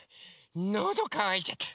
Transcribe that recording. のどかわいちゃった。